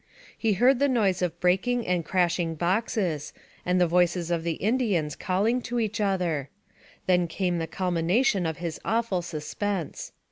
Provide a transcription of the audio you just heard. He heard the noise of breaking and crashing boxes, and the voices of the 30 NAREATIVE OF CAPTIVITY Indians calling to each other; then came the culmi nation of his awful suspense.